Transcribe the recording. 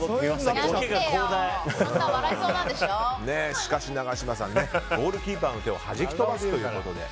しかし永島さんゴールキーパーの手を弾き飛ばすということで。